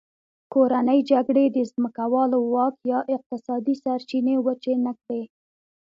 کورنۍ جګړې د ځمکوالو واک یا اقتصادي سرچینې وچې نه کړې.